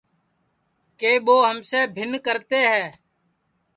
کہ ٻو ہم سے بِھن کرتے ہے